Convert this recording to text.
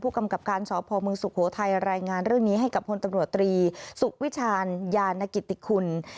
ผู้กำกับการชพมศุโขทัยรายงานเรื่องนี้ให้กับคนตำรวจตรีศุกร์วิชาญยานกิติกุล